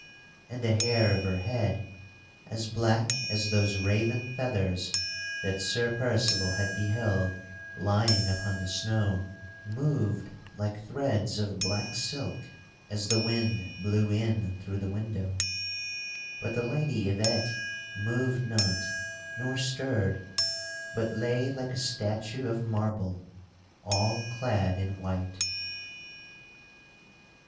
And the hair of her head (as black as those raven feathers that Sir Percival had beheld lying upon the snow) moved like threads of black silk as the wind blew in through the window but the Lady Yvette moved not nor stirred, but lay like a statue of marble all clad in white.